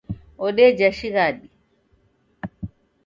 Odeja shighadi.